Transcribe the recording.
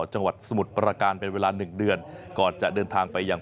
จังหวัดสมุดปราการเป็นเวลา๑เดือนก็อยากจะเดินทางไปอย่าง